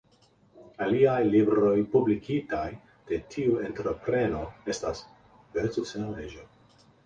Aliaj libroj publikitaj de tiu entrepreno estas "Birds of South Asia.